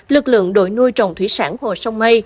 lực lượng đội nuôi trồng thủy sản hồ sông mây